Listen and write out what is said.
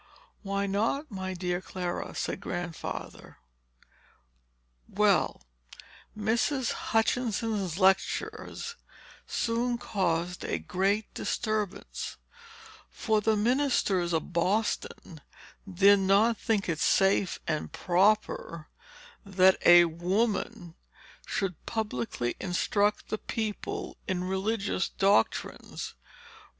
"Why not, my dear Clara?" said Grandfather. "Well; Mrs. Hutchinson's lectures soon caused a great disturbance; for the ministers of Boston did not think it safe and proper, that a woman should publicly instruct the people in religious doctrines.